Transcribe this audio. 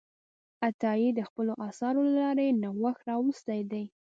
عطایي د خپلو اثارو له لارې نوښت راوستی دی.